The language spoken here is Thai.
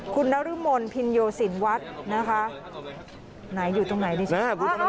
คุณฤ่มนส์พินโยสินวัดนะคะไหนอยู่ตรงไหนดิอ้า